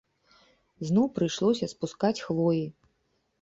Зноў прыйшлося спускаць хвоі.